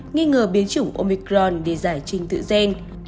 nghi ngờ biến chủng omicron để giải trình tự gen